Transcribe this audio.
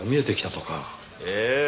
ええ。